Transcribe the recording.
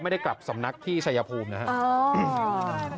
ไม่ได้กลับสำนักที่ชายภูมินะครับ